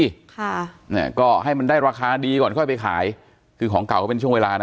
ค่ะเนี่ยก็ให้มันได้ราคาดีก่อนค่อยไปขายคือของเก่าก็เป็นช่วงเวลานะ